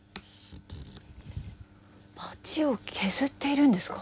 バチを削っているんですか？